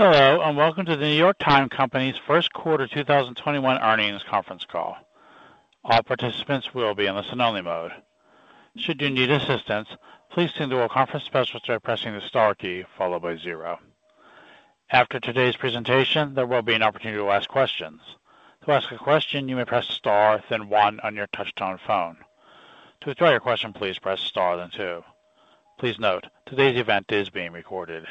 Hello, welcome to The New York Times Company's first quarter 2021 earnings conference call. All participants will be in listen only mode. Should you need assistance, please signal a conference specialist by pressing the star key followed by zero. After today's presentation, there will be an opportunity to ask questions. To ask a question, you may press star, then one on your touch-tone phone. To withdraw your question, please press star, then two. Please note, today's event is being recorded.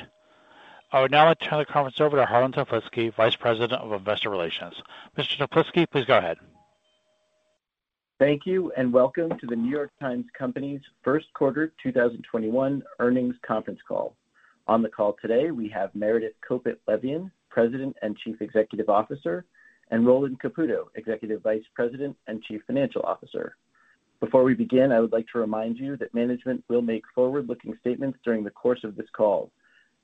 I would now like to turn the conference over to Harlan Toplitzky, Vice President of Investor Relations. Mr. Toplitzky, please go ahead. Thank you, and welcome to The New York Times Company's first quarter 2021 earnings conference call. On the call today, we have Meredith Kopit Levien, President and Chief Executive Officer, and Roland Caputo, Executive Vice President and Chief Financial Officer. Before we begin, I would like to remind you that management will make forward-looking statements during the course of this call.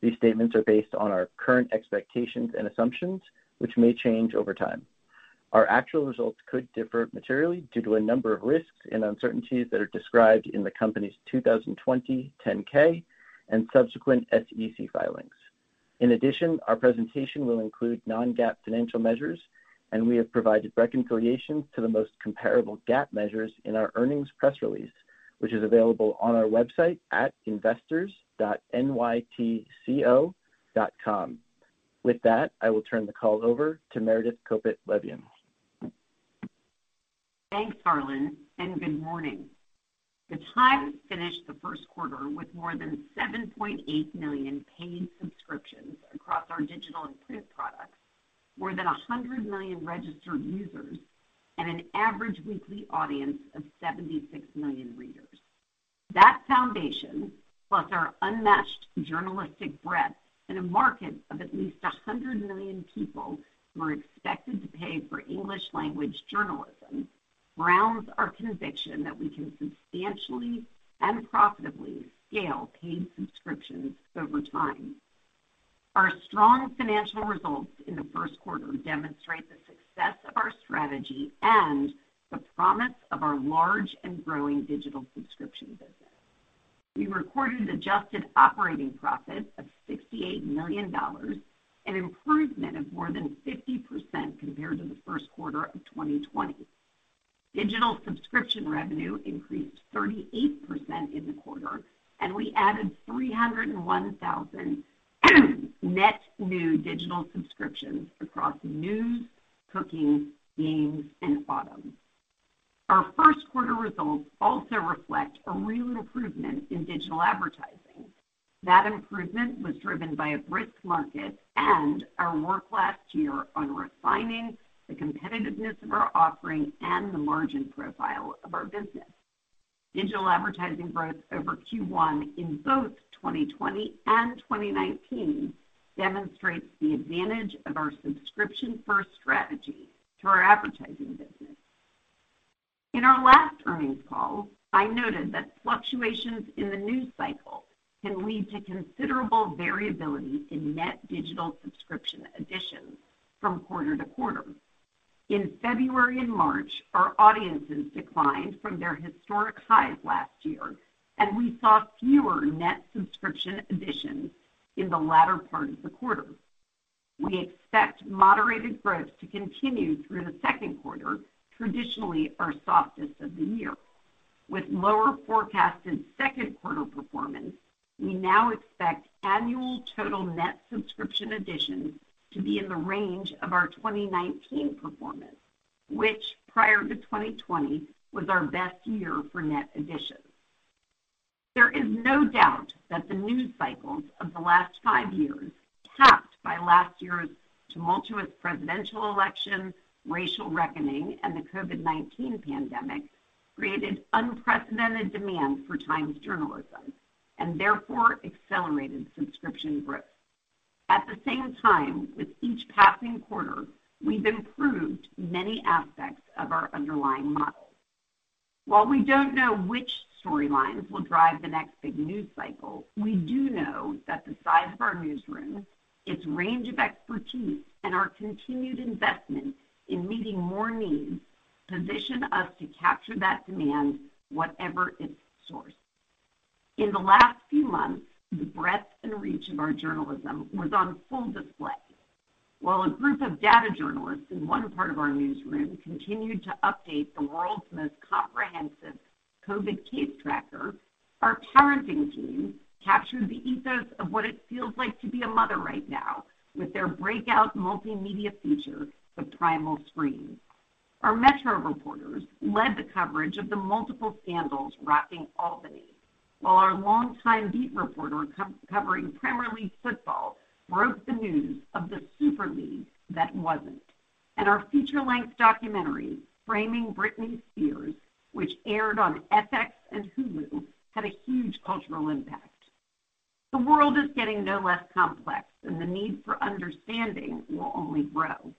These statements are based on our current expectations and assumptions, which may change over time. Our actual results could differ materially due to a number of risks and uncertainties that are described in the company's 2020 10-K and subsequent SEC filings. In addition, our presentation will include non-GAAP financial measures, and we have provided reconciliation to the most comparable GAAP measures in our earnings press release, which is available on our website at investors.nytco.com. With that, I will turn the call over to Meredith Kopit Levien. Thanks, Harlan, and good morning. The Times finished the first quarter with more than 7.8 million paid subscriptions across our digital and print products, more than 100 million registered users, and an average weekly audience of 76 million readers. That foundation, plus our unmatched journalistic breadth in a market of at least 100 million people who are expected to pay for English language journalism grounds our conviction that we can substantially and profitably scale paid subscriptions over time. Our strong financial results in the first quarter demonstrate the success of our strategy and the promise of our large and growing digital subscription business. We recorded adjusted operating profit of $68 million, an improvement of more than 50% compared to the first quarter of 2020. Digital subscription revenue increased 38% in the quarter, and we added 301,000 net new digital subscriptions across news, Cooking, Games, and audio. Our first quarter results also reflect a real improvement in digital advertising. That improvement was driven by a brisk market and our work last year on refining the competitiveness of our offering and the margin profile of our business. Digital advertising growth over Q1 in both 2020 and 2019 demonstrates the advantage of our subscription-first strategy to our advertising business. In our last earnings call, I noted that fluctuations in the news cycle can lead to considerable variability in net digital subscription additions from quarter-to-quarter. In February and March, our audiences declined from their historic highs last year, and we saw fewer net subscription additions in the latter part of the quarter. We expect moderated growth to continue through the second quarter, traditionally our softest of the year. With lower forecasted second quarter performance, we now expect annual total net subscription additions to be in the range of our 2019 performance, which prior to 2020, was our best year for net additions. There is no doubt that the news cycles of the last five years, capped by last year's tumultuous presidential election, racial reckoning, and the COVID-19 pandemic, created unprecedented demand for Times journalism, and therefore accelerated subscription growth. At the same time, with each passing quarter, we've improved many aspects of our underlying model. While we don't know which storylines will drive the next big news cycle, we do know that the size of our newsroom, its range of expertise, and our continued investment in meeting more needs position us to capture that demand whatever its source. In the last few months, the breadth and reach of our journalism was on full display. While a group of data journalists in one part of our newsroom continued to update the world's most comprehensive COVID case tracker, our parenting team captured the ethos of what it feels like to be a mother right now with their breakout multimedia feature, The Primal Scream. Our metro reporters led the coverage of the multiple scandals rocking Albany, while our longtime beat reporter covering Premier League football broke the news of the Super League that wasn't. Our feature-length documentary, Framing Britney Spears, which aired on FX and Hulu, had a huge cultural impact. The world is getting no less complex, and the need for understanding will only grow.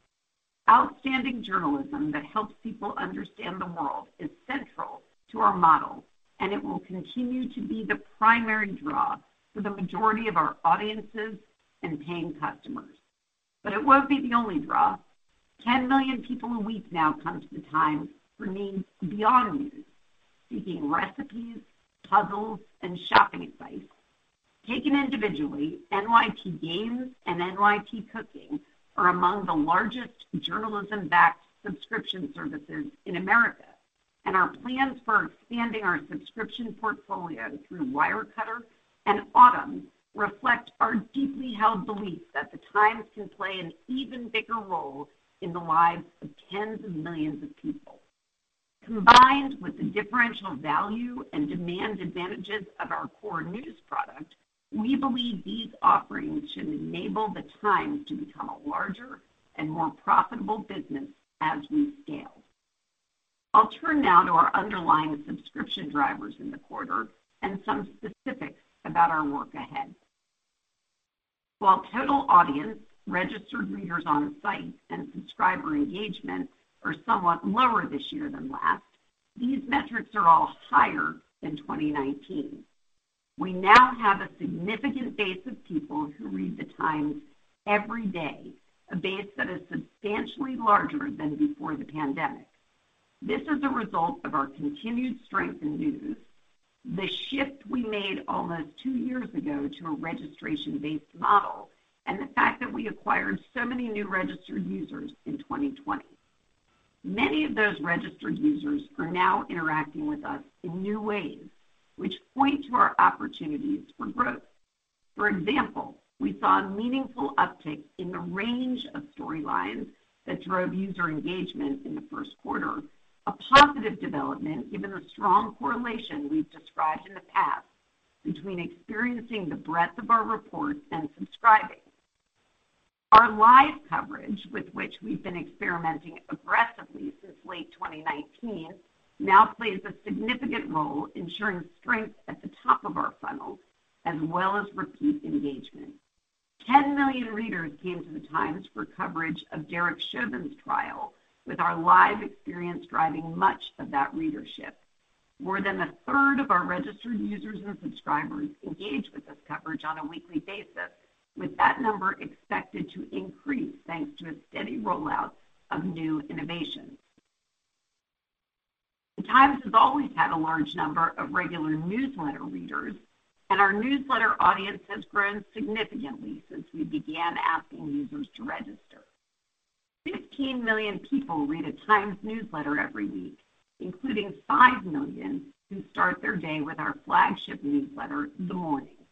Outstanding journalism that helps people understand the world is central to our model, and it will continue to be the primary draw for the majority of our audiences and paying customers. It won't be the only draw. 10 million people a week now come to The Times for needs beyond news, seeking recipes, puzzles, and shopping advice. Taken individually, NYT Games and NYT Cooking are among the largest journalism-backed subscription services in America, and our plans for expanding our subscription portfolio through Wirecutter and Audm reflect our deeply held belief that The Times can play an even bigger role in the lives of tens of millions of people. Combined with the differential value and demand advantages of our core news product, we believe these offerings should enable The Times to become a larger and more profitable business as we scale. I'll turn now to our underlying subscription drivers in the quarter and some specifics about our work ahead. While total audience, registered readers on site, and subscriber engagement are somewhat lower this year than last, these metrics are all higher than 2019. We now have a significant base of people who read The Times every day, a base that is substantially larger than before the pandemic. This is a result of our continued strength in news, the shift we made almost two years ago to a registration-based model, and the fact that we acquired so many new registered users in 2020. Many of those registered users are now interacting with us in new ways, which point to our opportunities for growth. For example, we saw a meaningful uptick in the range of storylines that drove user engagement in the first quarter, a positive development given the strong correlation we've described in the past between experiencing the breadth of our reports and subscribing. Our live coverage, with which we've been experimenting aggressively since late 2019, now plays a significant role ensuring strength at the top of our funnel as well as repeat engagement. 10 million readers came to The Times for coverage of Derek Chauvin's trial, with our live experience driving much of that readership. More than a third of our registered users and subscribers engage with this coverage on a weekly basis, with that number expected to increase thanks to a steady rollout of new innovations. The Times has always had a large number of regular newsletter readers, and our newsletter audience has grown significantly since we began asking users to register. 15 million people read a Times newsletter every week, including five million who start their day with our flagship newsletter, "The Morning."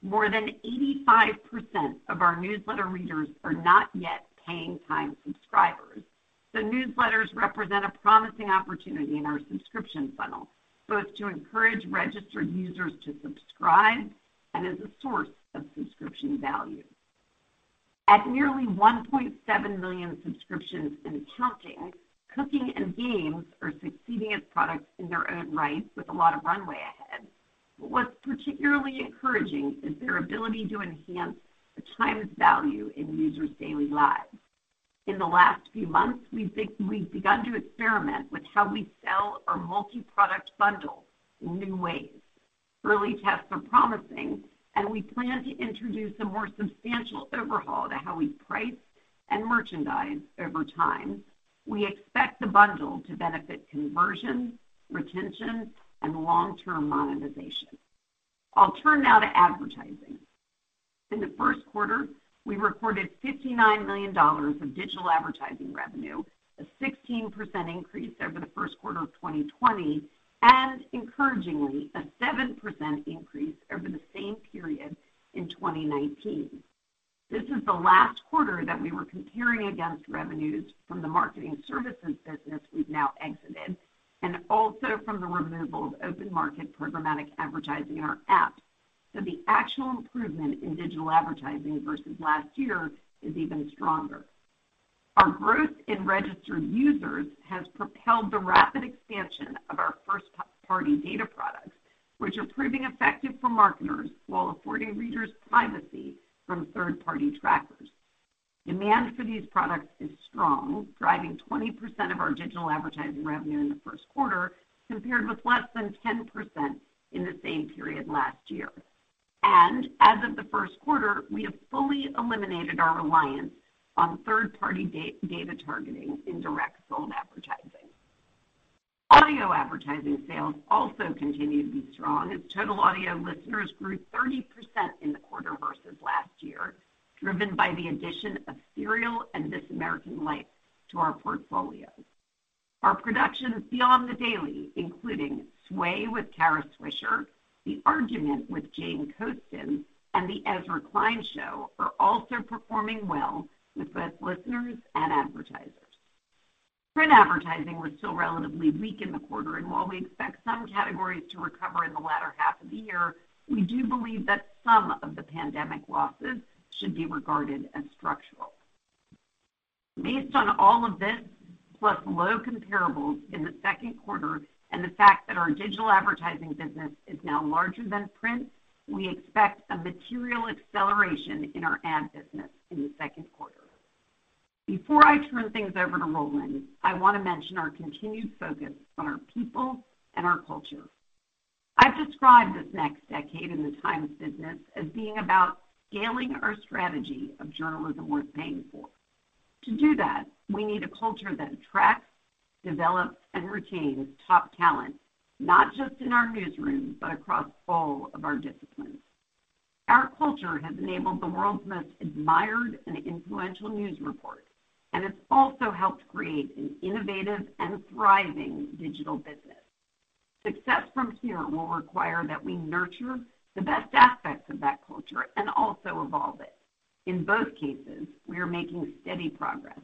More than 85% of our newsletter readers are not yet paying Times subscribers, so newsletters represent a promising opportunity in our subscription funnel, both to encourage registered users to subscribe and as a source of subscription value. At nearly 1.7 million subscriptions and counting, Cooking and Games are succeeding as products in their own right with a lot of runway ahead. What's particularly encouraging is their ability to enhance The New York Times's value in users daily lives. In the last few months, we've begun to experiment with how we sell our multi-product bundle in new ways. Early tests are promising, and we plan to introduce a more substantial overhaul to how we price and merchandise over time. We expect the bundle to benefit conversion, retention, and long-term monetization. I'll turn now to advertising. In the first quarter, we recorded $59 million of digital advertising revenue, a 16% increase over the first quarter of 2020, and encouragingly, a 7% increase over the same period in 2019. This is the last quarter that we were comparing against revenues from the marketing services business we've now exited, and also from the removal of open market programmatic advertising in our apps. The actual improvement in digital advertising versus last year is even stronger. Our growth in registered users has propelled the rapid expansion of our first-party data products, which are proving effective for marketers while affording readers privacy from third-party trackers. Demand for these products is strong, driving 20% of our digital advertising revenue in the first quarter, compared with less than 10% in the same period last year. As of the first quarter, we have fully eliminated our reliance on third-party data targeting in direct sold advertising. Audio advertising sales also continue to be strong, as total audio listeners grew 30% in the quarter versus last year, driven by the addition of Serial and This American Life to our portfolio. Our productions beyond The Daily, including Sway with Kara Swisher, The Argument with Jane Coaston, and The Ezra Klein Show, are also performing well with both listeners and advertisers. Print advertising was still relatively weak in the quarter. While we expect some categories to recover in the latter half of the year, we do believe that some of the pandemic losses should be regarded as structural. Based on all of this, plus low comparables in the second quarter and the fact that our digital advertising business is now larger than print, we expect a material acceleration in our ad business in the second quarter. Before I turn things over to Roland, I want to mention our continued focus on our people and our culture. I've described this next decade in the Times business as being about scaling our strategy of journalism worth paying for. To do that, we need a culture that attracts, develops, and retains top talent, not just in our newsroom, but across all of our disciplines. Our culture has enabled the world's most admired and influential news report, and it's also helped create an innovative and thriving digital business. Success from here will require that we nurture the best aspects of that culture and also evolve it. In both cases, we are making steady progress.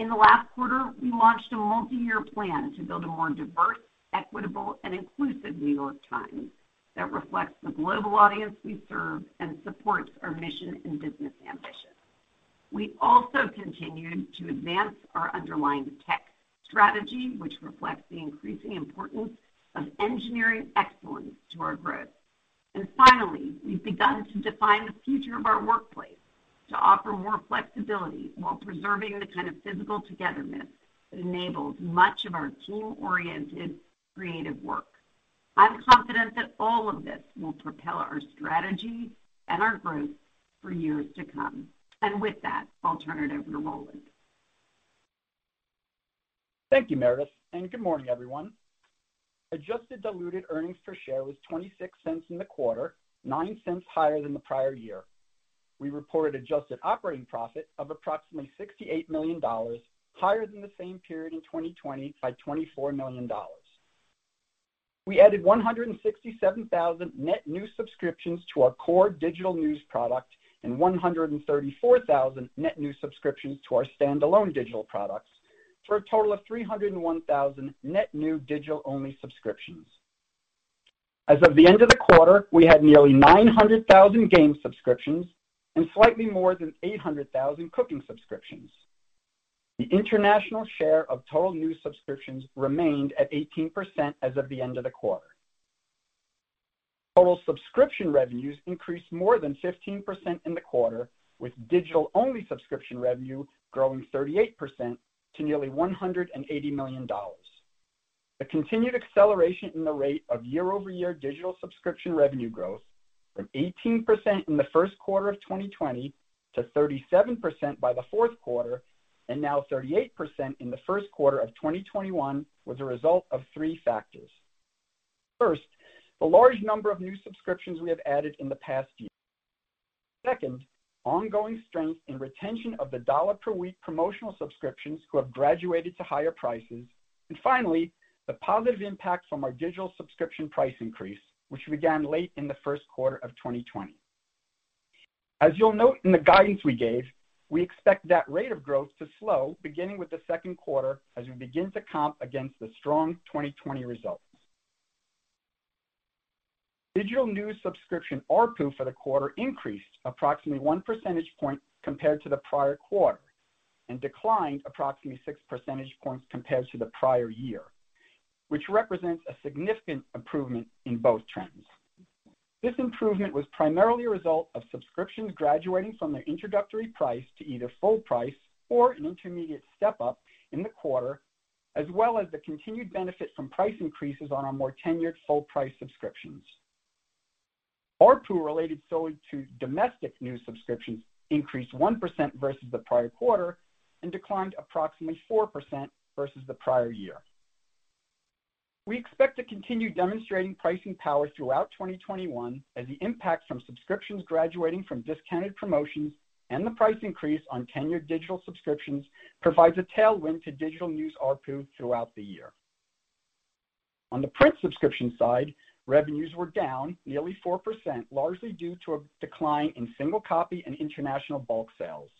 In the last quarter, we launched a multi-year plan to build a more diverse, equitable, and inclusive The New York Times that reflects the global audience we serve and supports our mission and business ambitions. We also continued to advance our underlying tech strategy, which reflects the increasing importance of engineering excellence to our growth. Finally, we've begun to define the future of our workplace to offer more flexibility while preserving the kind of physical togetherness that enables much of our team-oriented creative work. I'm confident that all of this will propel our strategy and our growth for years to come. With that, I'll turn it over to Roland. Thank you, Meredith, and good morning, everyone. Adjusted diluted earnings per share was $0.26 in the quarter, $0.09 higher than the prior year. We reported adjusted operating profit of approximately $68 million, higher than the same period in 2020 by $24 million. We added 167,000 net new subscriptions to our core digital news product and 134,000 net new subscriptions to our stand-alone digital products for a total of 301,000 net new digital-only subscriptions. As of the end of the quarter, we had nearly 900,000 Games subscriptions and slightly more than 800,000 Cooking subscriptions. The international share of total new subscriptions remained at 18% as of the end of the quarter. Total subscription revenues increased more than 15% in the quarter, with digital-only subscription revenue growing 38% to nearly $180 million. The continued acceleration in the rate of year-over-year digital subscription revenue growth from 18% in the first quarter of 2020 to 37% by the fourth quarter and now 38% in the first quarter of 2021 was a result of three factors. First, the large number of new subscriptions we have added in the past year. Second, ongoing strength in retention of the dollar per week promotional subscriptions who have graduated to higher prices. Finally, the positive impact from our digital subscription price increase, which began late in the first quarter of 2020. As you'll note in the guidance we gave, we expect that rate of growth to slow, beginning with the second quarter as we begin to comp against the strong 2020 results. Digital news subscription ARPU for the quarter increased approximately one percentage point compared to the prior quarter and declined approximately six percentage points compared to the prior year, which represents a significant improvement in both trends. This improvement was primarily a result of subscriptions graduating from their introductory price to either full price or an intermediate step-up in the quarter, as well as the continued benefit from price increases on our more tenured full price subscriptions. ARPU related solely to domestic news subscriptions increased 1% versus the prior quarter and declined approximately 4% versus the prior year. We expect to continue demonstrating pricing power throughout 2021 as the impact from subscriptions graduating from discounted promotions and the price increase on tenured digital subscriptions provides a tailwind to digital news ARPU throughout the year. On the print subscription side, revenues were down nearly 4%, largely due to a decline in single copy and international bulk sales.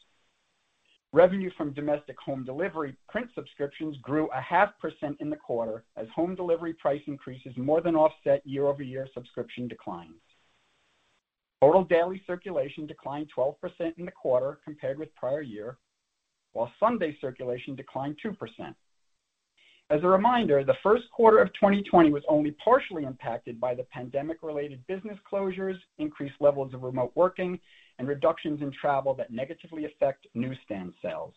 Revenue from domestic home delivery print subscriptions grew a half percent in the quarter as home delivery price increases more than offset year-over-year subscription declines. Total daily circulation declined 12% in the quarter compared with prior year, while Sunday circulation declined 2%. As a reminder, the first quarter of 2020 was only partially impacted by the pandemic-related business closures, increased levels of remote working, and reductions in travel that negatively affect newsstand sales.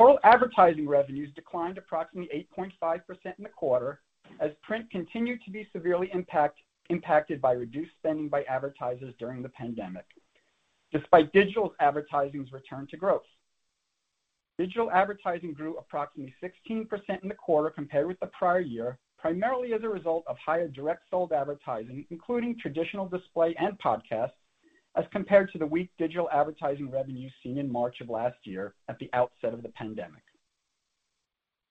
Total advertising revenues declined approximately 8.5% in the quarter as print continued to be severely impacted by reduced spending by advertisers during the pandemic despite digital advertising's return to growth. Digital advertising grew approximately 16% in the quarter compared with the prior year, primarily as a result of higher direct sold advertising, including traditional display and podcasts, as compared to the weak digital advertising revenue seen in March of last year at the outset of the pandemic.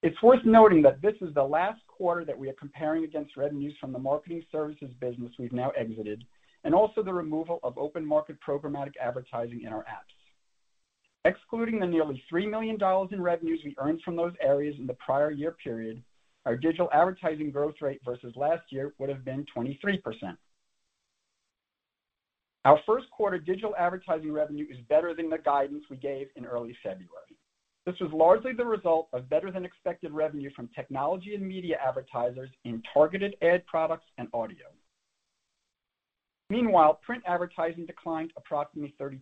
It's worth noting that this is the last quarter that we are comparing against revenues from the marketing services business we've now exited and also the removal of open market programmatic advertising in our apps. Excluding the nearly $3 million in revenues we earned from those areas in the prior year period, our digital advertising growth rate versus last year would have been 23%. Our first quarter digital advertising revenue is better than the guidance we gave in early February. This was largely the result of better-than-expected revenue from technology and media advertisers in targeted ad products and audio. Meanwhile, print advertising declined approximately 32%,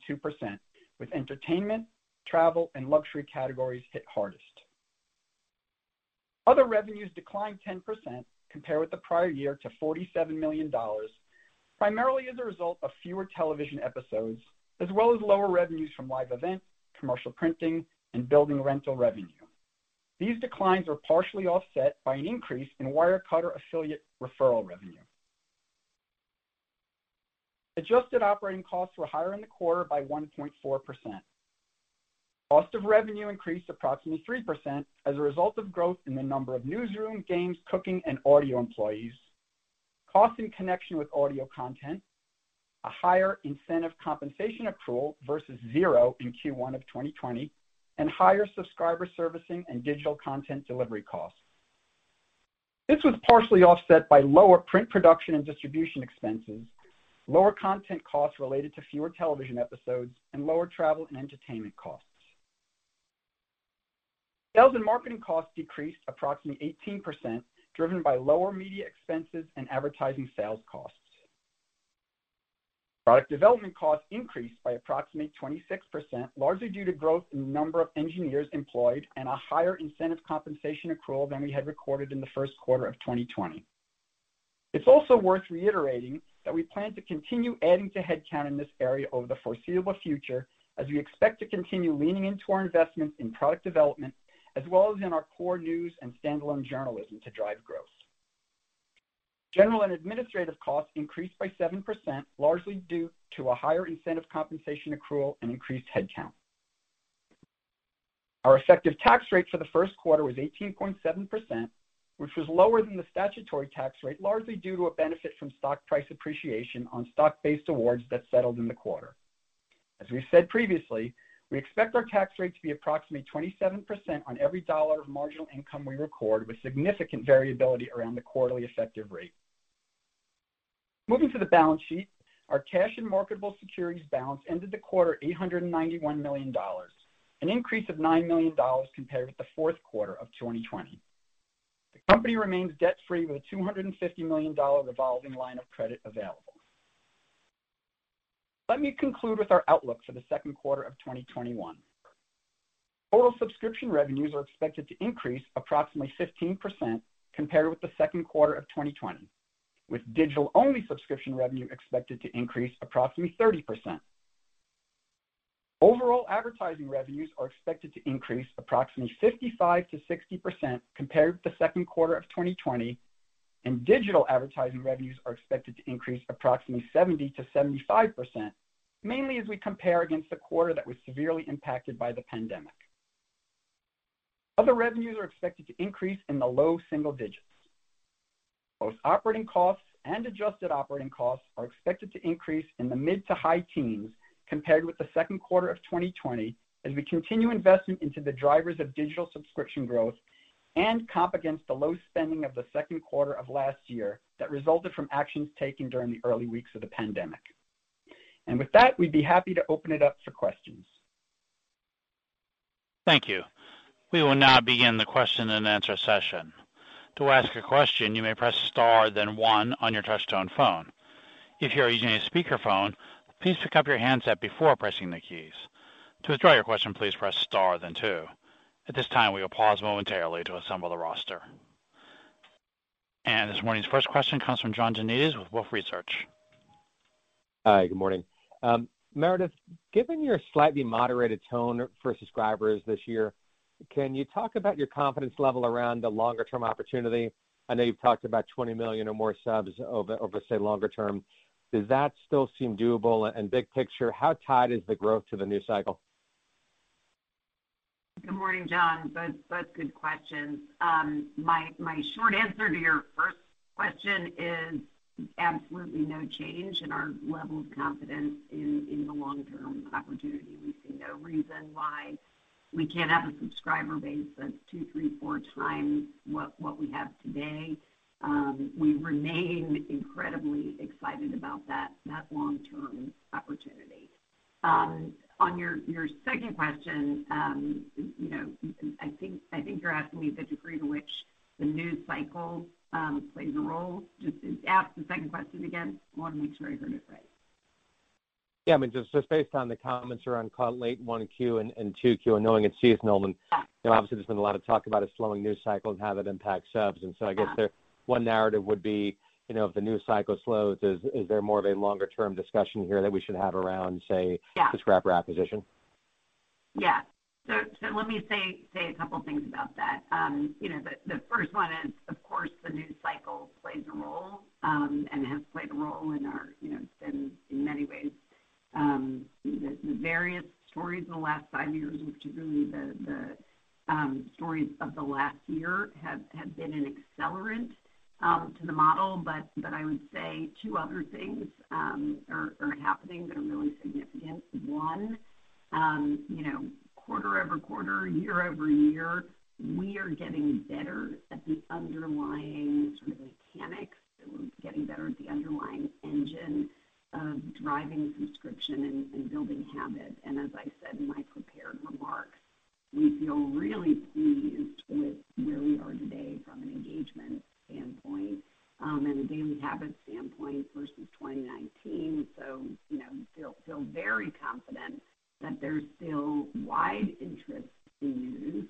with entertainment, travel, and luxury categories hit hardest. Other revenues declined 10% compared with the prior year to $47 million, primarily as a result of fewer television episodes, as well as lower revenues from live events, commercial printing, and building rental revenue. These declines were partially offset by an increase in Wirecutter affiliate referral revenue. Adjusted operating costs were higher in the quarter by 1.4%. Cost of revenue increased approximately 3% as a result of growth in the number of newsroom, Games, Cooking, and audio employees, cost in connection with audio content, a higher incentive compensation accrual versus zero in Q1 2020, and higher subscriber servicing and digital content delivery costs. This was partially offset by lower print production and distribution expenses, lower content costs related to fewer television episodes, and lower travel and entertainment costs. Sales and marketing costs decreased approximately 18%, driven by lower media expenses and advertising sales costs. Product development costs increased by approximately 26%, largely due to growth in the number of engineers employed and a higher incentive compensation accrual than we had recorded in the first quarter of 2020. It's also worth reiterating that we plan to continue adding to headcount in this area over the foreseeable future, as we expect to continue leaning into our investments in product development, as well as in our core news and standalone journalism to drive growth. General and administrative costs increased by 7%, largely due to a higher incentive compensation accrual and increased headcount. Our effective tax rate for the first quarter was 18.7%, which was lower than the statutory tax rate, largely due to a benefit from stock price appreciation on stock-based awards that settled in the quarter. As we've said previously, we expect our tax rate to be approximately 27% on every dollar of marginal income we record, with significant variability around the quarterly effective rate. Moving to the balance sheet, our cash and marketable securities balance ended the quarter at $891 million, an increase of $9 million compared with the fourth quarter of 2020. The company remains debt-free with a $250 million revolving line of credit available. Let me conclude with our outlook for the second quarter of 2021. Total subscription revenues are expected to increase approximately 15% compared with the second quarter of 2020, with digital-only subscription revenue expected to increase approximately 30%. Overall advertising revenues are expected to increase approximately 55%-60% compared with the second quarter of 2020, and digital advertising revenues are expected to increase approximately 70%-75%, mainly as we compare against a quarter that was severely impacted by the pandemic. Other revenues are expected to increase in the low single digits. Both operating costs and adjusted operating costs are expected to increase in the mid to high teens compared with the second quarter of 2020, as we continue investing into the drivers of digital subscription growth and comp against the low spending of the second quarter of last year that resulted from actions taken during the early weeks of the pandemic. With that, we'd be happy to open it up for questions. Thank you. We will now begin the question-and-answer session. To ask a question, you may press star then one on your touchtone phone. If you are using a speakerphone, please pick up your handset before pressing the keys. To withdraw you question, please press star then two. At this time we will pause momentarily to assemble our roster. This morning's first question comes from John Janedis with Wolfe Research. Hi, good morning. Meredith, given your slightly moderated tone for subscribers this year, can you talk about your confidence level around the longer-term opportunity? I know you've talked about 20 million or more subs over, say, longer term. Does that still seem doable? Big picture, how tied is the growth to the news cycle? Good morning, John. Both good questions. My short answer to your first question is absolutely no change in our level of confidence in the long-term opportunity. We see no reason why we can't have a subscriber base that's two, three, four times what we have today. We remain incredibly excited about that long-term opportunity. On your second question, I think you're asking me the degree to which the news cycle plays a role. Just ask the second question again. I want to make sure I heard it right. Yeah. Just based on the comments around late 1Q and 2Q and knowing it's seasonal. Obviously, there's been a lot of talk about a slowing news cycle and how that impacts subs. I guess one narrative would be, if the news cycle slows, is there more of a longer-term discussion here that we should have around, say. Yeah. Subscriber acquisition? Yeah. Let me say a couple things about that. The first one is, of course, the news cycle plays a role and has played a role. In many ways, the various stories in the last five years, which is really the stories of the last year, have been an accelerant to the model. I would say two other things are happening that are really significant. One, quarter-over-quarter, year-over-year, we are getting better at the underlying sort of mechanics. We're getting better at the underlying engine of driving subscription and building habit. As I said in my prepared remarks, we feel really pleased with where we are today from an engagement standpoint and a daily habit standpoint versus 2019. We feel very confident that there's still wide interest in news.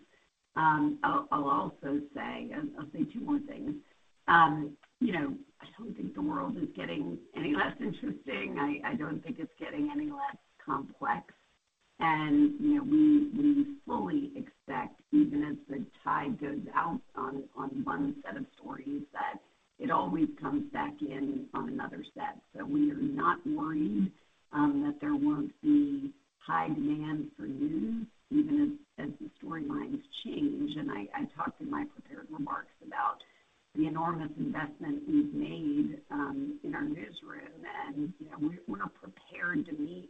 I'll say two more things. I don't think the world is getting any less interesting. I don't think it's getting any less complex. We fully expect, even as the tide goes out on one set of stories, that it always comes back in on another set. We are not worried that there won't be high demand for news, even as the storylines change. I talked in my prepared remarks about the enormous investment we've made in our newsroom, and we're not prepared to meet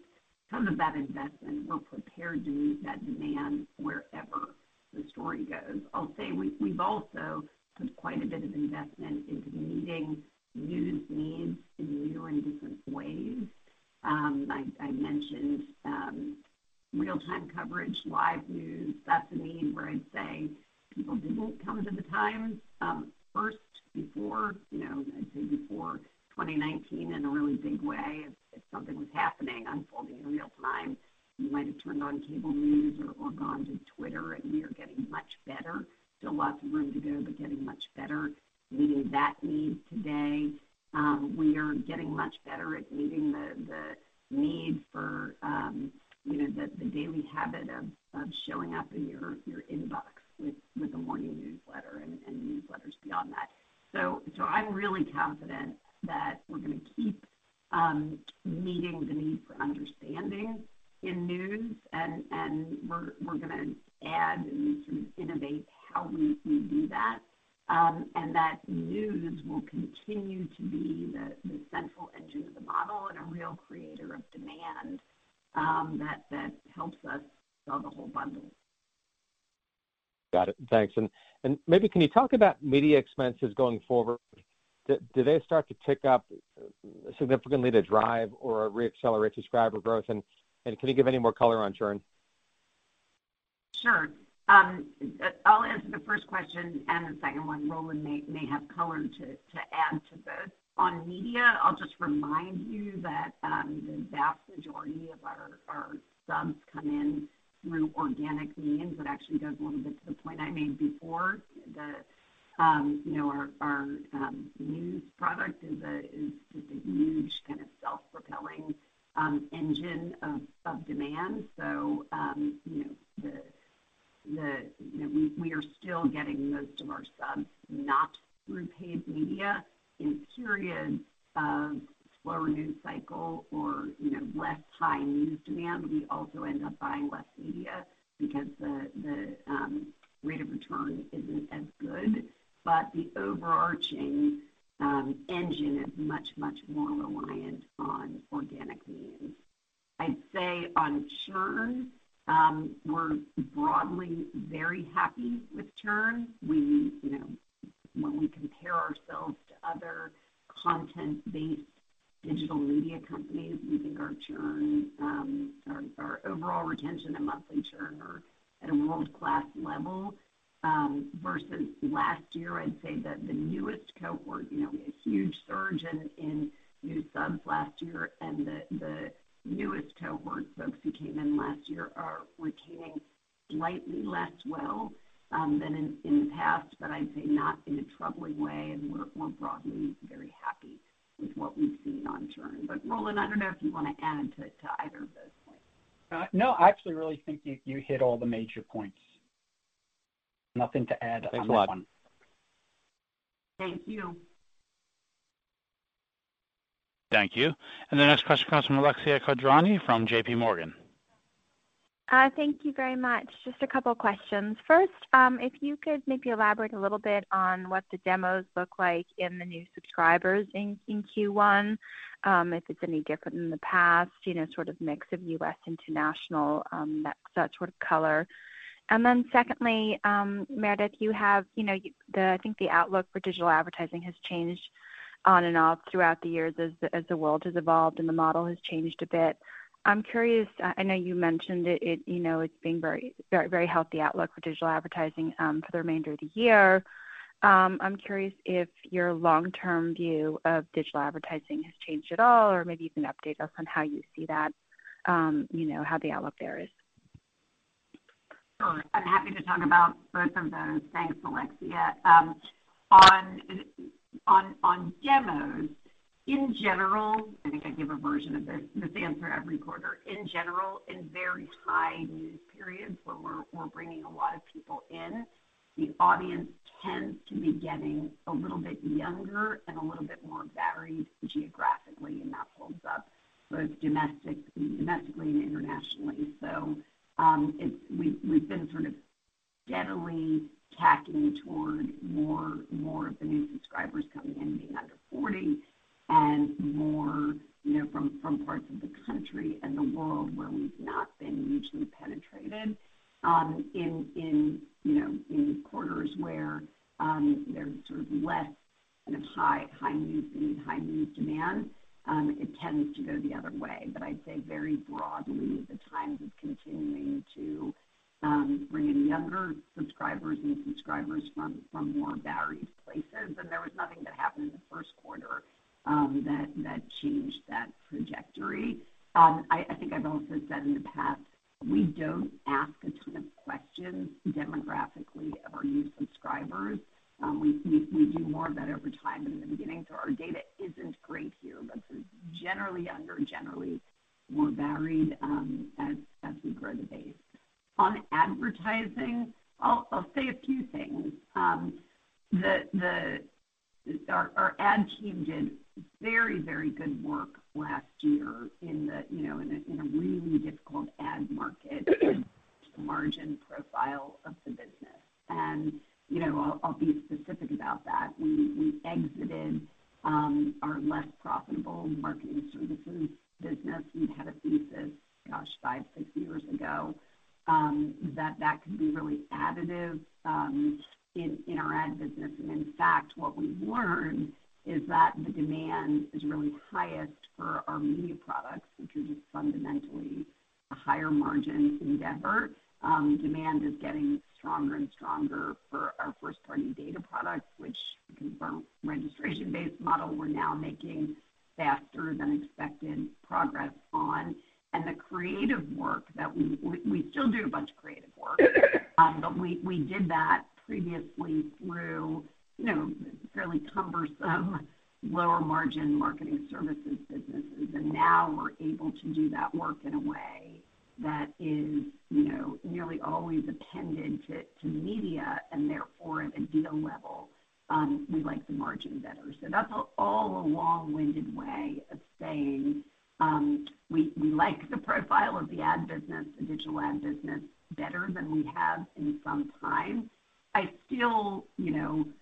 some of that investment. We're prepared to meet that demand wherever the story goes. I'll say we've also put quite a bit of investment into meeting news needs in new or in different ways. I mentioned real-time coverage, live news. That's a need where I'd say people didn't come to The Times first before 2019 in a really big way. If something was happening, unfolding in real time, you might have turned on cable news or gone to Twitter. We are getting much better. Still lots of room to go, getting much better meeting that need today. We are getting much better at meeting the need for the daily habit of showing up in your inbox with the morning newsletter and newsletters beyond that. I'm really confident that we're going to keep meeting the need for understanding in news. We're going to add and innovate how we do that. That news will continue to be the central engine of the model and a real creator of demand that helps us sell the whole bundle. Got it. Thanks. Maybe can you talk about media expenses going forward? Do they start to tick up significantly to drive or re-accelerate subscriber growth? Can you give any more color on churn? Sure. I'll answer the first question and the second one, Roland may have color to add to both. On media, I'll just remind you that the vast majority of our subs come in through organic means, what actually does a little bit to the point I made before. We are still getting most of our subs not through paid media. In periods of slower news cycle or less high news demand, we also end up buying less media because the rate of return isn't as good. The overarching engine is much, much more reliant on organic means. I'd say on churn, we're broadly very happy with churn. When we compare ourselves to other content-based digital media companies, we think our overall retention and monthly churn are at a world-class level. Versus last year, I'd say that the newest cohort, we had a huge surge in new subs last year, and the newest cohort, folks who came in last year, are retaining slightly less well than in the past, but I'd say not in a troubling way, and we're broadly very happy with what we've seen on churn. Roland, I don't know if you want to add to either of those points. No, I actually really think you hit all the major points. Nothing to add on that one. Thank you. Thank you. The next question comes from Alexia Quadrani from JPMorgan. Thank you very much. Just a couple questions. First, if you could maybe elaborate a little bit on what the demos look like in the new subscribers in Q1, if it's any different than the past, sort of mix of U.S., international, that sort of color. Then secondly, Meredith, I think the outlook for digital advertising has changed on and off throughout the years as the world has evolved, and the model has changed a bit. I'm curious, I know you mentioned it's being very healthy outlook for digital advertising for the remainder of the year. I'm curious if your long-term view of digital advertising has changed at all or maybe you can update us on how you see that, how the outlook there is. Sure. I'm happy to talk about both of those. Thanks, Alexia. On demos, in general, I think I give a version of this answer every quarter. In general, in very high news periods where we're bringing a lot of people in, the audience tends to be getting a little bit younger and a little bit more varied geographically, and that holds up both domestically and internationally. We've been sort of steadily tacking toward more of the new subscribers coming in being under 40 and more from parts of the country and the world where we've not been hugely penetrated. In quarters where there's sort of less high news demand, it tends to go the other way. I'd say very broadly, The Times is continuing to bring in younger subscribers and subscribers from more varied places. There was nothing that happened in the first quarter that changed that trajectory. I think I've also said in the past, we don't ask a ton of questions demographically of our new subscribers. We do more of that over time than in the beginning, so our data isn't great here, but they're generally younger, generally more varied as we grow the base. On advertising, I'll say a few things. Our ad team did very good work last year in a really difficult ad market and margin profile of the business. I'll be specific about that. We exited our less profitable marketing services business. We had a thesis, gosh, five, six years ago, that that could be really additive in our ad business. In fact, what we've learned is that the demand is really highest for our media products, which is just fundamentally a higher margin endeavor. Demand is getting stronger and stronger for our first-party data product, which, because we're a registration-based model, we're now making faster than expected progress on. The creative work that we still do a bunch of creative work, but we did that previously through fairly cumbersome lower margin marketing services businesses. Now we're able to do that work in a way that is nearly always appended to media and therefore at a deal level, we like the margin better. That's all a long-winded way of saying, we like the profile of the ad business, the digital ad business, better than we have in some time. I still would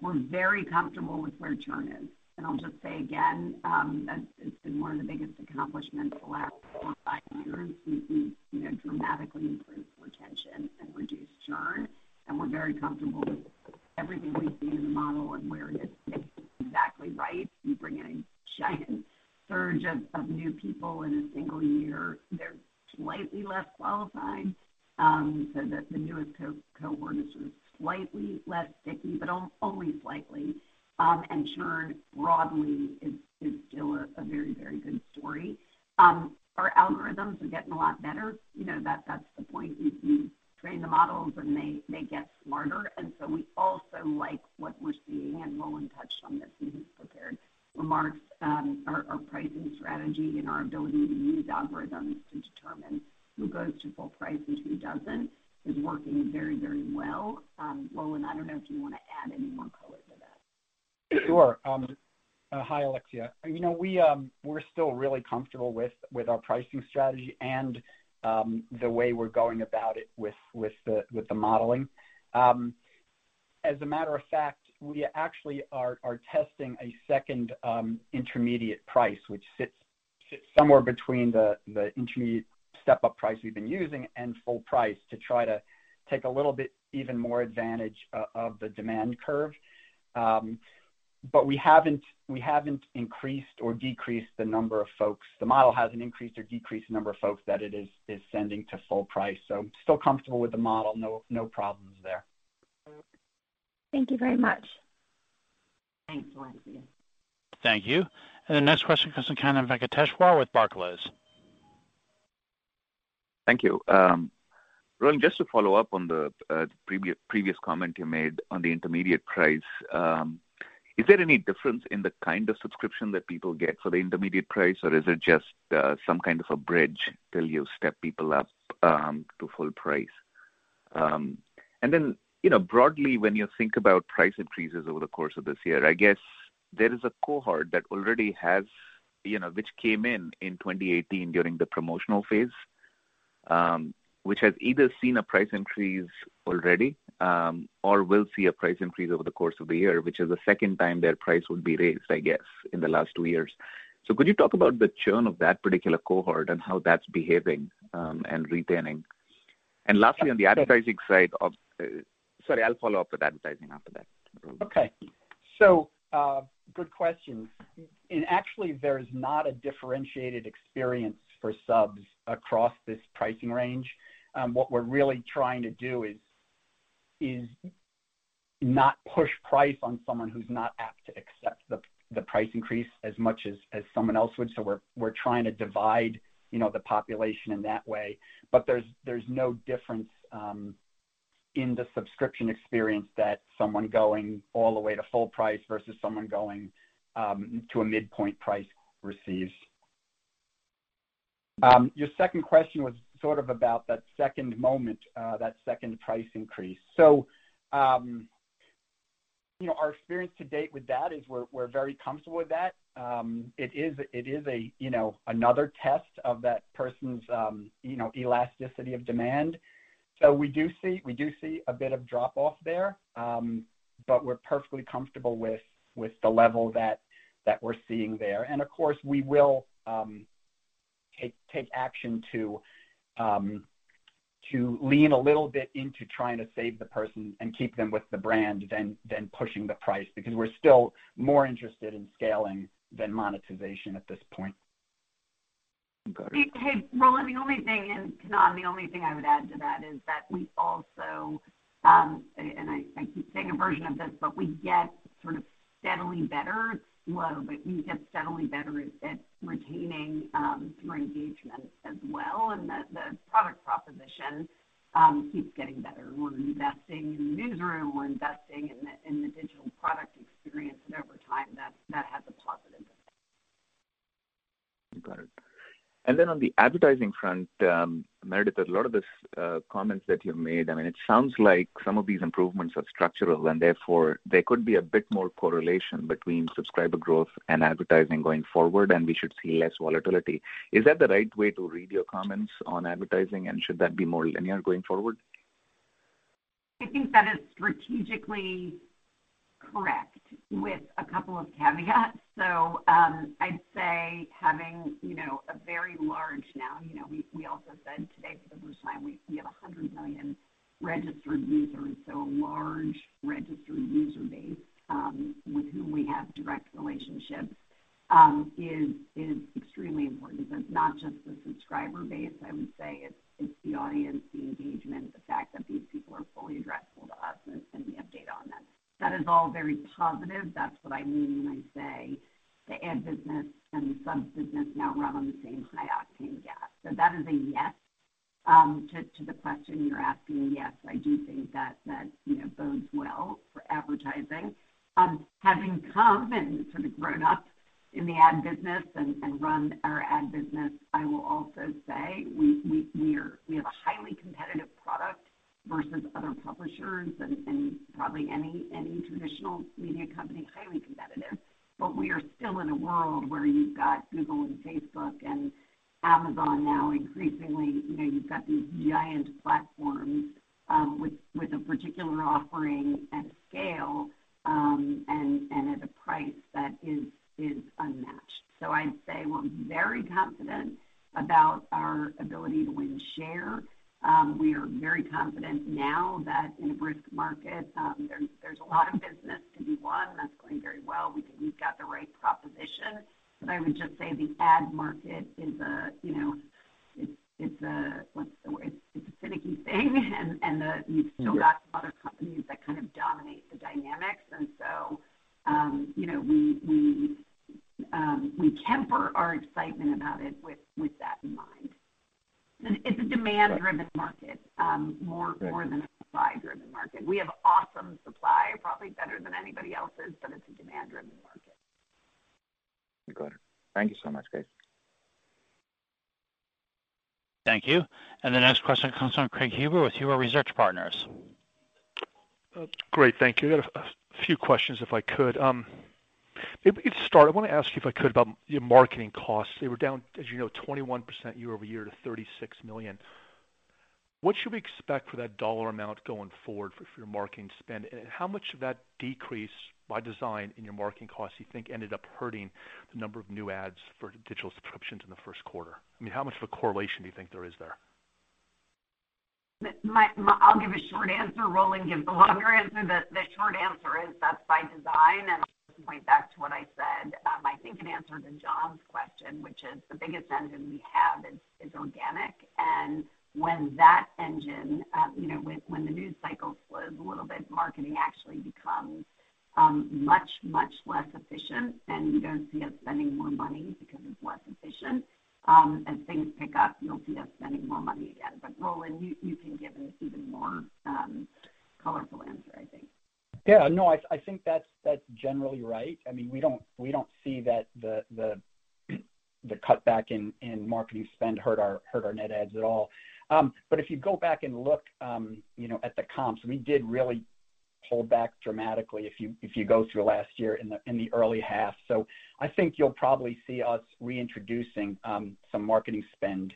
We're very comfortable with where churn is. I'll just say again, it's been one of the biggest accomplishments the last four or five years. We've dramatically improved retention and reduced churn, and we're very comfortable with everything we see in the model and where it is. It's exactly right. You bring in a giant surge of new people in a single year, they're slightly less qualified. The newest cohort is sort of slightly less sticky, but only slightly. Churn broadly is still a very good story. Our algorithms are getting a lot better. That's the point. You train the models, and they get smarter. We also like what we're seeing, and Roland touched on this in his prepared remarks. Our pricing strategy and our ability to use algorithms to determine who goes to full price and who doesn't is working very well. Roland, I don't know if you want to add any more color to that. Sure. Hi, Alexia. We're still really comfortable with our pricing strategy and the way we're going about it with the modeling. As a matter of fact, we actually are testing a second intermediate price, which sits somewhere between the intermediate step-up price we've been using and full price to try to take a little bit even more advantage of the demand curve. We haven't increased or decreased the number of folks. The model hasn't increased or decreased the number of folks that it is sending to full price. Still comfortable with the model. No problems there. Thank you very much. Thanks, Alexia. Thank you. The next question comes in from Kannan Venkateshwar with Barclays. Thank you. Roland, just to follow up on the previous comment you made on the intermediate price. Is there any difference in the kind of subscription that people get for the intermediate price, or is it just some kind of a bridge till you step people up to full price? Broadly, when you think about price increases over the course of this year, I guess there is a cohort that already has which came in in 2018 during the promotional phase, which has either seen a price increase already or will see a price increase over the course of the year, which is the second time their price will be raised, I guess, in the last two years. Could you talk about the churn of that particular cohort and how that's behaving and retaining? Lastly, I'll follow up with advertising after that. Okay. Good question. Actually, there's not a differentiated experience for subs across this pricing range. We're really trying to do is not push price on someone who's not apt to accept the price increase as much as someone else would. We're trying to divide the population in that way. There's no difference in the subscription experience that someone going all the way to full price versus someone going to a midpoint price receives. Your second question was sort of about that second moment, that second price increase. Our experience to date with that is we're very comfortable with that. It is another test of that person's elasticity of demand. We do see a bit of drop-off there, but we're perfectly comfortable with the level that we're seeing there. Of course, we will take action to lean a little bit into trying to save the person and keep them with the brand than pushing the price, because we're still more interested in scaling than monetization at this point. Hey, Roland, the only thing, and Kannan, the only thing I would add to that is that we also, and I keep saying a version of this, but we get sort of steadily better. Well, we get steadily better at retaining subscriber engagement as well, and the product proposition keeps getting better. We're investing in the newsroom, we're investing in the digital product experience, and over time, that has a positive effect. Got it. Then on the advertising front, Meredith, a lot of the comments that you've made, it sounds like some of these improvements are structural and therefore there could be a bit more correlation between subscriber growth and advertising going forward, and we should see less volatility. Is that the right way to read your comments on advertising and should that be more linear going forward? I think that is strategically correct with a couple of caveats. I'd say having a very large now, we also said today for the first time, we have 100 million registered users, so a large registered user base, with whom we have direct relationships, is extremely important. Not just the subscriber base, I would say it's the audience, the engagement, the fact that these people are fully addressable to us and we have data on them. That is all very positive. That's what I mean when I say the ad business and the subs business now run on the same high octane gas. That is a yes to the question you're asking. Yes, I do think that bodes well for advertising. Having come and sort of grown up in the ad business and run our ad business, I will also say we have a highly competitive product versus other publishers and probably any traditional media company, highly competitive. We are still in a world where you've got Google and Facebook and Amazon now increasingly. You've got these giant platforms, with a particular offering at scale, and at a price that is unmatched. I'd say we're very confident about our ability to win share. We are very confident now that in a brisk market, there's a lot of business to be won. That's going very well. We think we've got the right proposition. I would just say the ad market is a finicky thing and you've still got other companies that kind of dominate the dynamics. We temper our excitement about it with that in mind. It's a demand-driven market, more than a supply-driven market. We have awesome supply, probably better than anybody else's, but it's a demand-driven market. Got it. Thank you so much, guys. Thank you. The next question comes from Craig Huber with Huber Research Partners. Great. Thank you. I've got a few questions, if I could. Maybe to start, I want to ask you, if I could, about your marketing costs. They were down, as you know, 21% year-over-year to $36 million. What should we expect for that dollar amount going forward for your marketing spend? How much of that decrease by design in your marketing costs you think ended up hurting the number of new ads for digital subscriptions in the first quarter? How much of a correlation do you think there is there? I'll give a short answer. Roland gives the longer answer. The short answer is that's by design, and I'll just point back to what I said, I think in answer to John's question, which is the biggest engine we have is organic. When that engine, when the news cycle slows a little bit, marketing actually becomes much, much less efficient, and you don't see us spending more money because it's less efficient. As things pick up, you'll see us spending more money again. Roland, you can give an even more colorful answer, I think. Yeah, no, I think that's generally right. We don't see that the cutback in marketing spend hurt our net adds at all. If you go back and look at the comps, we did really pull back dramatically, if you go through last year in the early half. I think you'll probably see us reintroducing some marketing spend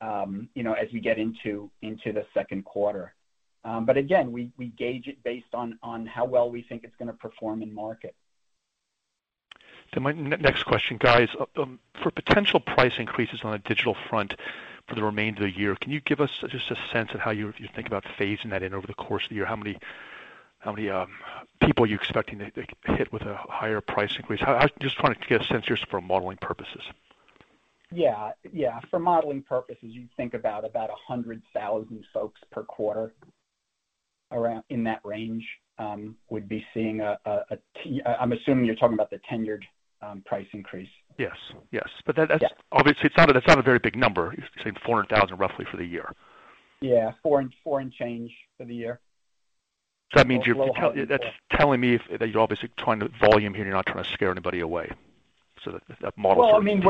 as we get into the second quarter. Again, we gauge it based on how well we think it's going to perform in market. My next question, guys. For potential price increases on the digital front for the remainder of the year, can you give us just a sense of how you think about phasing that in over the course of the year? How many people are you expecting to hit with a higher price increase? Just trying to get a sense here for modeling purposes. Yeah. For modeling purposes, you'd think about 100,000 folks per quarter, in that range, would be seeing I'm assuming you're talking about the tenured price increase. Yes. Yeah. Obviously, that's not a very big number. You're saying 400,000 roughly for the year. Yeah. Four and change for the year. That's telling me that you're obviously trying to volume here, you're not trying to scare anybody away. Well, we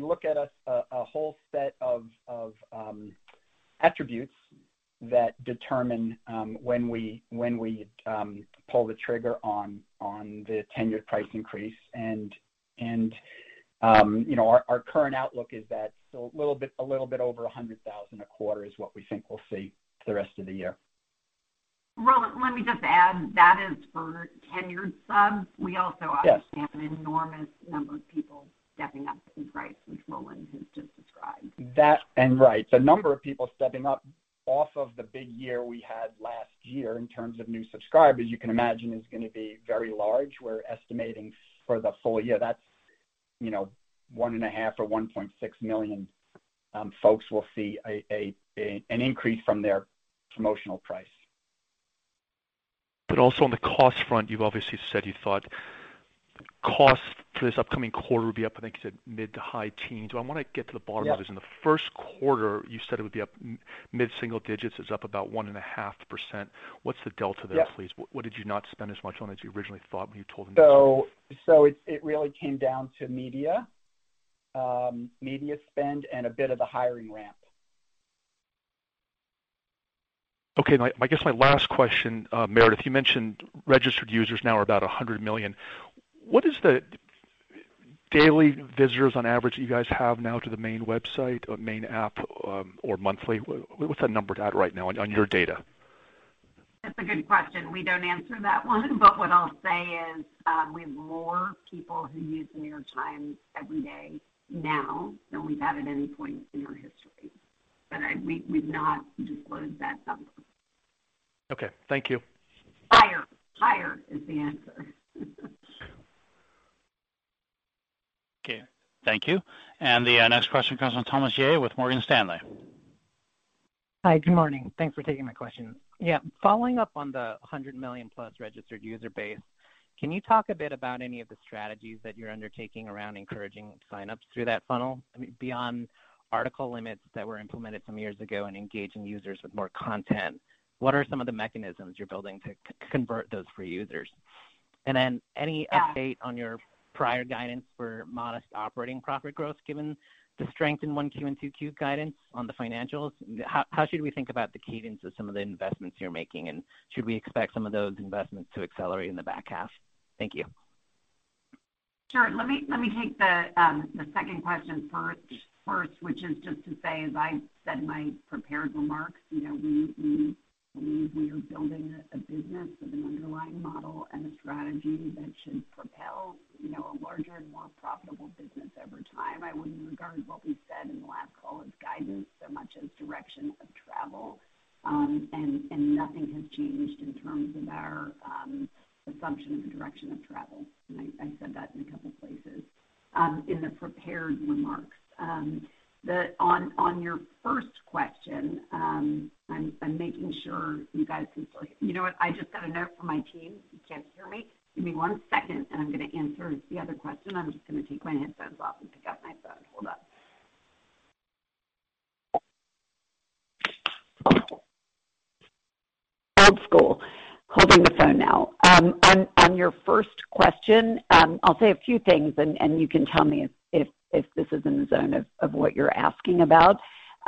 look at a whole set of attributes that determine when we pull the trigger on the tenured price increase. Our current outlook is that a little bit over 100,000 a quarter is what we think we'll see for the rest of the year. Roland, let me just add, that is for tenured subs. Yes. We also obviously have an enormous number of people stepping up in price, which Roland has just described. The number of people stepping up off of the big year we had last year in terms of new subscribers, you can imagine, is going to be very large. We're estimating for the full year. That's 1.5 million or 1.6 million folks will see an increase from their promotional price. Also on the cost front, you've obviously said you thought cost for this upcoming quarter would be up, I think you said mid to high teens. I want to get to the bottom of this. Yeah. In the first quarter, you said it would be up mid-single digits. It is up about 1.5%. What is the delta there, please? Yeah. What did you not spend as much on as you originally thought when you told them? It really came down to media spend and a bit of the hiring ramp. Okay. I guess my last question, Meredith, you mentioned registered users now are about 100 million. What is the daily visitors on average that you guys have now to the main website or main app, or monthly? What's that number at right now on your data? That's a good question. We don't answer that one, but what I'll say is, we have more people who use The New York Times every day now than we've had at any point in our history. We've not disclosed that number. Okay. Thank you. Higher is the answer. Okay. Thank you. The next question comes from Thomas Yeh with Morgan Stanley. Hi. Good morning. Thanks for taking my question. Yeah. Following up on the 100 million+ registered user base, can you talk a bit about any of the strategies that you're undertaking around encouraging sign-ups through that funnel? Beyond article limits that were implemented some years ago and engaging users with more content, what are some of the mechanisms you're building to convert those free users? Yeah. Any update on your prior guidance for modest operating profit growth, given the strength in 1Q and 2Q guidance on the financials? How should we think about the cadence of some of the investments you're making, and should we expect some of those investments to accelerate in the back half? Thank you. Sure. Let me take the second question first, which is just to say, as I said in my prepared remarks, we are building a business with an underlying model and a strategy that should propel a larger and more profitable business over time. I wouldn't regard what we said in the last call as guidance, so much as direction of travel. Nothing has changed in terms of our assumption of the direction of travel, and I said that in a couple places in the prepared remarks. On your first question, I'm making sure you guys can still hear. You know what? I just got a note from my team. You can't hear me. Give me one second, and I'm going to answer the other question. I'm just going to take my headphones off and pick up my phone. Hold up. Old school. Holding the phone now. On your first question, I'll say a few things, and you can tell me if this is in the zone of what you're asking about.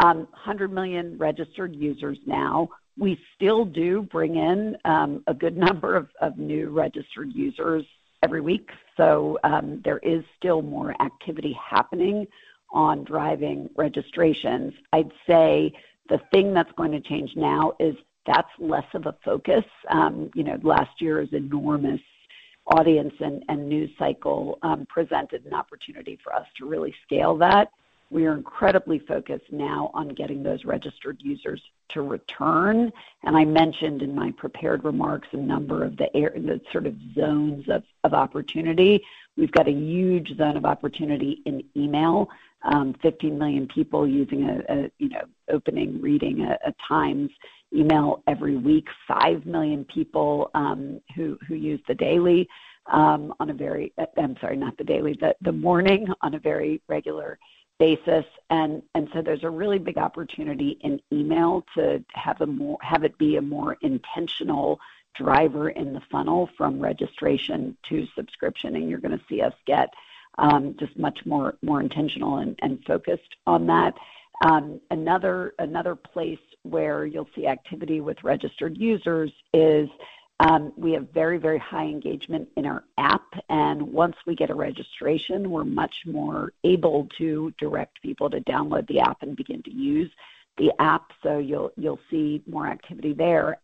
100 million registered users now. We still do bring in a good number of new registered users every week. There is still more activity happening on driving registrations. I'd say the thing that's going to change now is that's less of a focus. Last year's enormous audience and news cycle presented an opportunity for us to really scale that. We are incredibly focused now on getting those registered users to return. I mentioned in my prepared remarks a number of the sort of zones of opportunity. We've got a huge zone of opportunity in email. 50 million people opening, reading Times email every week. Five million people who use The Daily. I'm sorry, not The Daily, The Morning, on a very regular basis. There's a really big opportunity in email to have it be a more intentional driver in the funnel from registration to subscription, and you're going to see us get just much more intentional and focused on that. Another place where you'll see activity with registered users is. We have very high engagement in our app, and once we get a registration, we're much more able to direct people to download the app and begin to use the app. You'll see more activity there.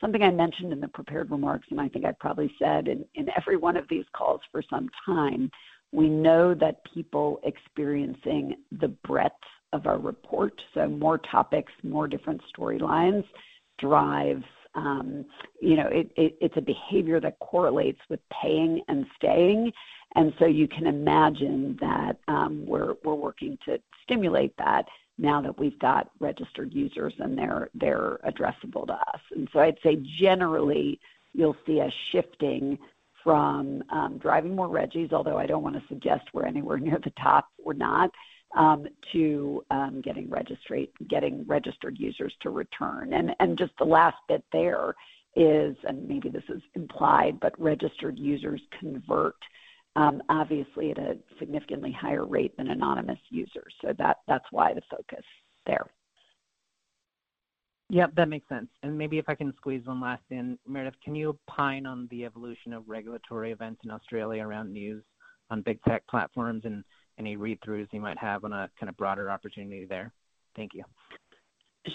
Something I mentioned in the prepared remarks, and I think I've probably said in every one of these calls for some time, we know that people experiencing the breadth of our report, so more topics, more different storylines, it's a behavior that correlates with paying and staying. You can imagine that we're working to stimulate that now that we've got registered users and they're addressable to us. I'd say generally, you'll see us shifting from driving more reggies, although I don't want to suggest we're anywhere near the top or not, to getting registered users to return. Just the last bit there is, and maybe this is implied, but registered users convert, obviously at a significantly higher rate than anonymous users. That's why the focus there. Yep, that makes sense. Maybe if I can squeeze one last in. Meredith, can you opine on the evolution of regulatory events in Australia around news on big tech platforms and any read-throughs you might have on a kind of broader opportunity there? Thank you.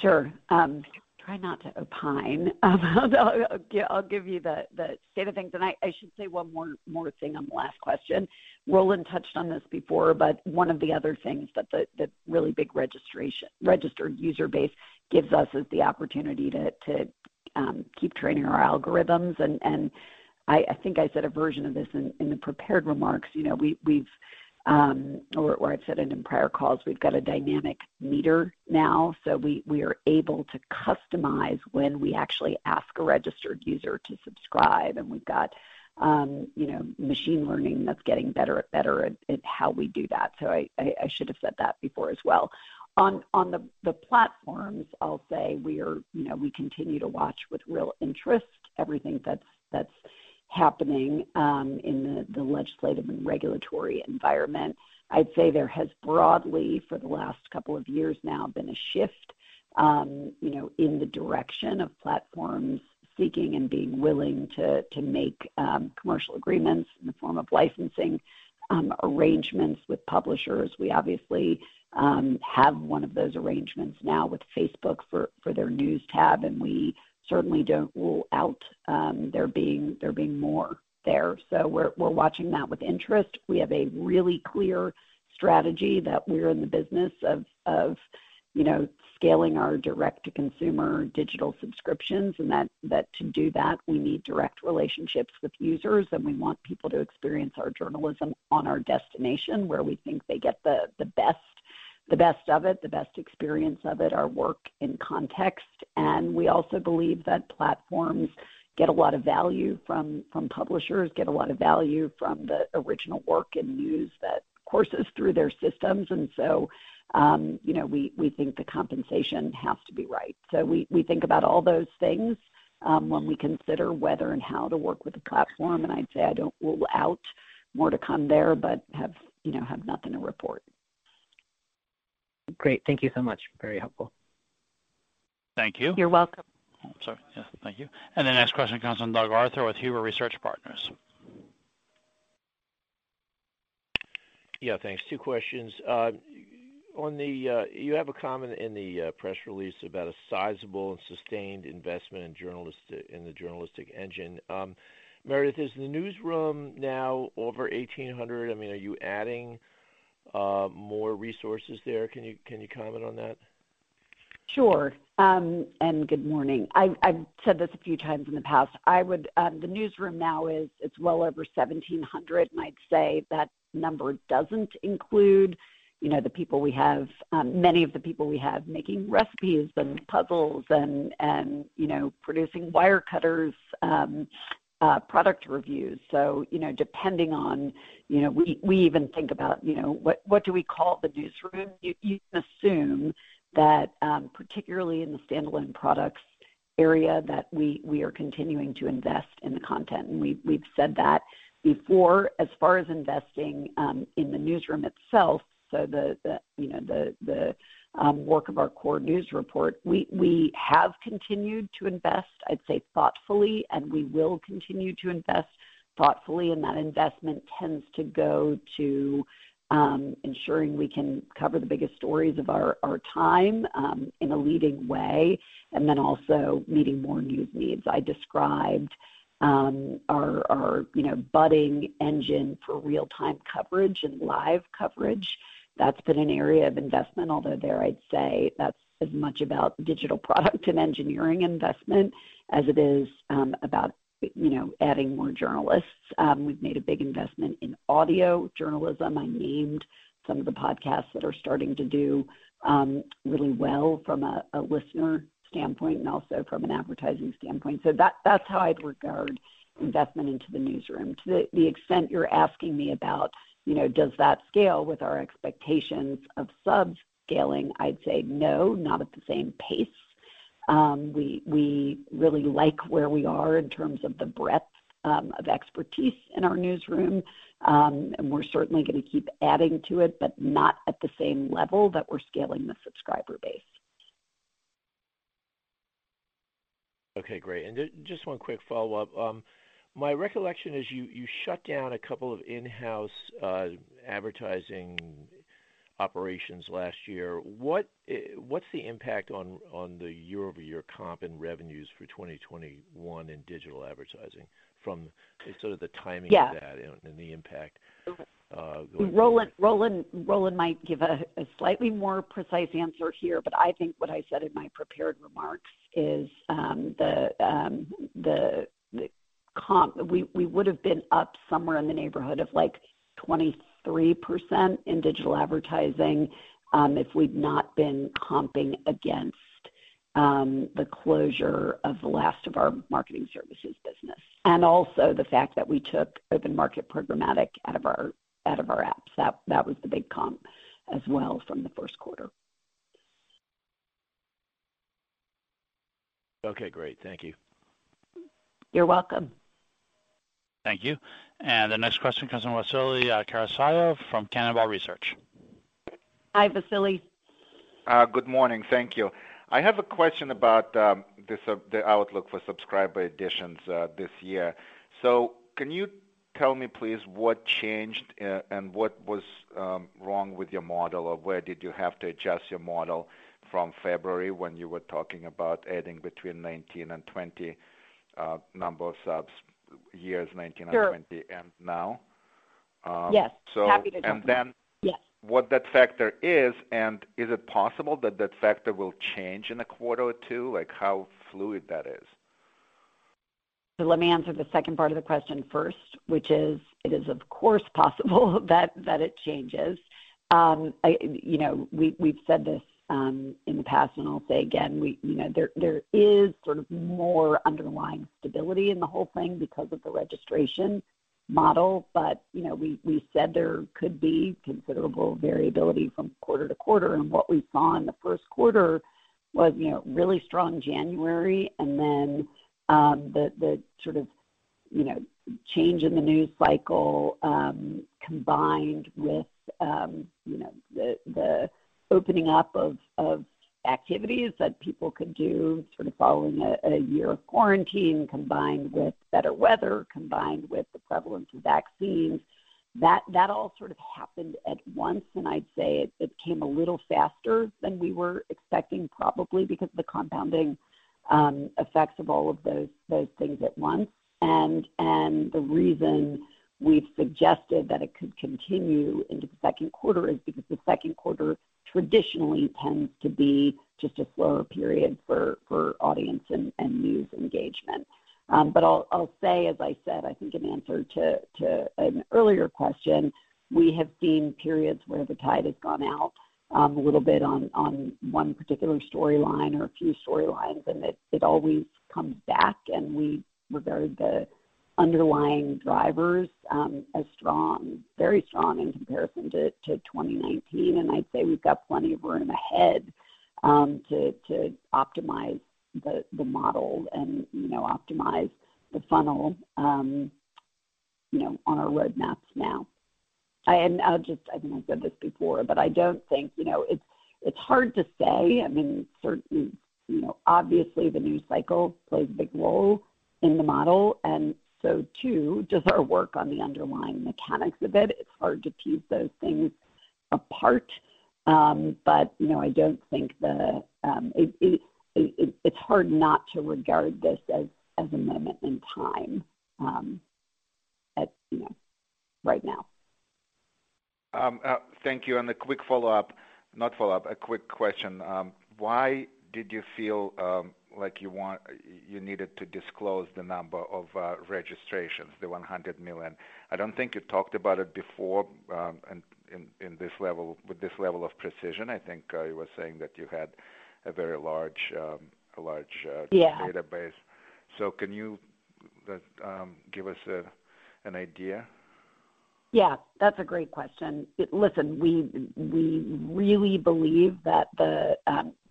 Sure. Try not to opine about. I will give you the state of things. I should say one more thing on the last question. Roland touched on this before, but one of the other things that the really big registered user base gives us is the opportunity to keep training our algorithms and I think I said a version of this in the prepared remarks or I've said it in prior calls, we've got a dynamic meter now, so we are able to customize when we actually ask a registered user to subscribe. We've got machine learning that's getting better at how we do that. I should have said that before as well. On the platforms, I'll say we continue to watch with real interest everything that's happening in the legislative and regulatory environment. I'd say there has broadly, for the last couple of years now, been a shift in the direction of platforms seeking and being willing to make commercial agreements in the form of licensing arrangements with publishers. We obviously have one of those arrangements now with Facebook for their news tab, and we certainly don't rule out there being more there. We're watching that with interest. We have a really clear strategy that we're in the business of scaling our direct-to-consumer digital subscriptions, and that to do that, we need direct relationships with users, and we want people to experience our journalism on our destination, where we think they get the best of it, the best experience of it, our work in context. We also believe that platforms get a lot of value from publishers, get a lot of value from the original work and news that courses through their systems. We think the compensation has to be right. We think about all those things when we consider whether and how to work with a platform. I'd say I don't rule out more to come there, but have nothing to report. Great. Thank you so much. Very helpful. Thank you. You're welcome. Oh, sorry. Yeah, thank you. The next question comes from Doug Arthur with Huber Research Partners. Yeah, thanks. Two questions. You have a comment in the press release about a sizable and sustained investment in the journalistic engine. Meredith, is the newsroom now over 1,800? Are you adding more resources there? Can you comment on that? Sure. Good morning. I've said this a few times in the past. The newsroom now is well over 1,700, and I'd say that number doesn't include many of the people we have making recipes and puzzles and producing Wirecutter's product reviews. Depending on, we even think about what do we call the newsroom? You can assume that, particularly in the standalone products area, that we are continuing to invest in the content, and we've said that before. As far as investing in the newsroom itself, so the work of our core news report, we have continued to invest, I'd say thoughtfully, and we will continue to invest thoughtfully, and that investment tends to go to ensuring we can cover the biggest stories of our time in a leading way, and then also meeting more news needs. I described our budding engine for real-time coverage and live coverage. That's been an area of investment, although there I'd say that's as much about digital product and engineering investment as it is about adding more journalists. We've made a big investment in audio journalism. I named some of the podcasts that are starting to do really well from a listener standpoint and also from an advertising standpoint. That's how I'd regard investment into the newsroom. To the extent you're asking me about, does that scale with our expectations of subs scaling, I'd say no, not at the same pace. We really like where we are in terms of the breadth of expertise in our newsroom. We're certainly going to keep adding to it, but not at the same level that we're scaling the subscriber base. Okay, great. Just one quick follow-up. My recollection is you shut down a couple of in-house advertising operations last year. What's the impact on the year-over-year comp and revenues for 2021 in digital advertising from sort of the timing? Yeah. Of that and the impact going forward. Roland might give a slightly more precise answer here, but I think what I said in my prepared remarks is, the comp, we would've been up somewhere in the neighborhood of like 23% in digital advertising, if we'd not been comping against the closure of the last of our marketing services business. Also the fact that we took open market programmatic out of our apps, that was the big comp as well from the first quarter. Okay, great. Thank you. You're welcome. Thank you. The next question comes from Vasily Karasyov from Cannonball Research. Hi, Vasily. Good morning. Thank you. I have a question about the outlook for subscriber additions this year. Can you tell me please, what changed and what was wrong with your model, or where did you have to adjust your model from February when you were talking about adding between 19 and 20 number of subs, years 19 and 20. Sure. Now? Yes. Happy to jump in. And then- Yes what that factor is, and is it possible that that factor will change in a quarter or two? Like how fluid that is? Let me answer the second part of the question first, which is, it is of course possible that it changes. We've said this in the past and I'll say again, there is sort of more underlying stability in the whole thing because of the registration model, but we said there could be considerable variability from quarter to quarter, and what we saw in the first quarter was really strong January and then the sort of change in the news cycle, combined with the opening up of activities that people could do sort of following a year of quarantine, combined with better weather, combined with the prevalence of vaccines. That all sort of happened at once, and I'd say it came a little faster than we were expecting, probably because of the compounding effects of all of those things at once. The reason we've suggested that it could continue into the second quarter is because the second quarter traditionally tends to be just a slower period for audience and news engagement. I'll say, as I said, I think in answer to an earlier question, we have seen periods where the tide has gone out, a little bit on one particular storyline or a few storylines, and it always comes back, and we regard the underlying drivers as very strong in comparison to 2019. I'd say we've got plenty of room ahead, to optimize the model and optimize the funnel on our roadmaps now. I think I said this before, but it's hard to say. Obviously the news cycle plays a big role in the model, and so too does our work on the underlying mechanics of it. It's hard to tease those things apart. It's hard not to regard this as a moment in time right now. Thank you. A quick question. Why did you feel like you needed to disclose the number of registrations, the 100 million? I don't think you talked about it before, with this level of precision. Yeah. I think you were saying that you have very large database. Can you give us an idea? Yeah. That's a great question. Listen, we really believe that the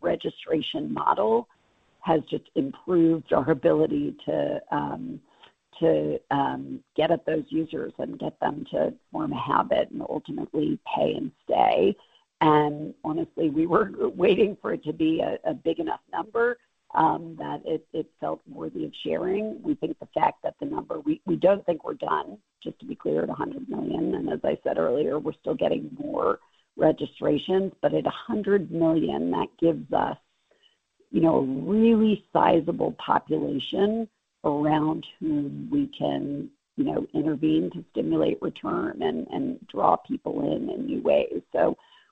registration model has just improved our ability to get at those users and get them to form a habit and ultimately pay and stay. Honestly, we were waiting for it to be a big enough number that it felt worthy of sharing. We don't think we're done, just to be clear, at 100 million. As I said earlier, we're still getting more registrations. At 100 million, that gives us a really sizable population around whom we can intervene to stimulate return and draw people in in new ways.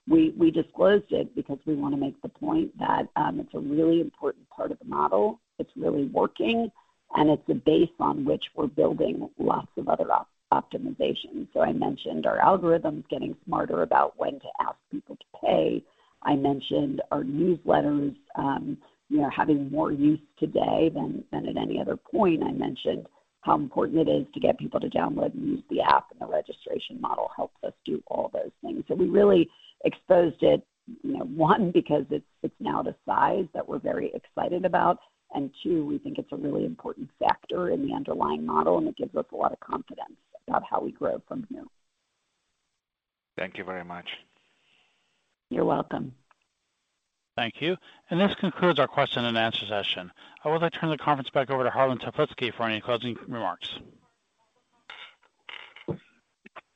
We disclosed it because we want to make the point that it's a really important part of the model. It's really working, and it's a base on which we're building lots of other optimizations. I mentioned our algorithms getting smarter about when to ask people to pay. I mentioned our newsletters having more use today than at any other point. I mentioned how important it is to get people to download and use the app, and the registration model helps us do all those things. We really exposed it, one, because it's now the size that we're very excited about, and two, we think it's a really important factor in the underlying model, and it gives us a lot of confidence about how we grow from here. Thank you very much. You're welcome. Thank you. This concludes our question and answer session. I would like to turn the conference back over to Harlan Toplitzky for any closing remarks.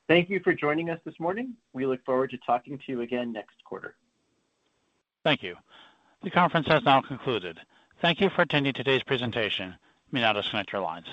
Thank you for joining us this morning. We look forward to talking to you again next quarter. Thank you. The conference has now concluded. Thank you for attending today's presentation. You may now disconnect your lines.